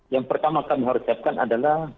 yang pertama kami harus siapkan adalah